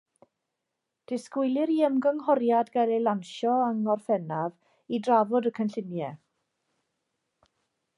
Disgwylir i ymgynghoriad gael ei lansio yng Ngorffennaf i drafod y cynlluniau.